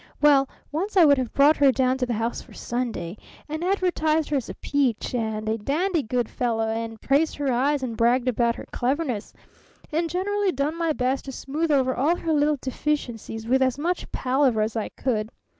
Well, once I would have brought her down to the house for Sunday, and advertised her as a 'peach,' and a 'dandy good fellow,' and praised her eyes, and bragged about her cleverness, and generally done my best to smooth over all her little deficiencies with as much palaver as I could.